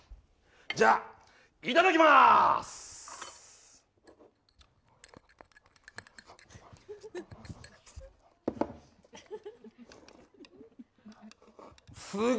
じゃあ、いただきます！